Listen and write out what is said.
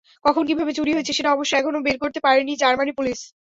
কখন-কীভাবে চুরি হয়েছে সেটা অবশ্য এখনো বের করতে পারেনি জার্মান পুলিশ।